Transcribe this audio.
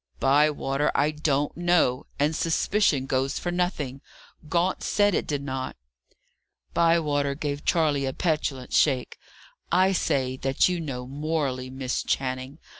"Bywater, I don't know; and suspicion goes for nothing. Gaunt said it did not." Bywater gave Charley a petulant shake. "I say that you know morally, Miss Channing.